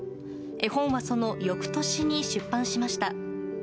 絵本はその翌年に出版しました。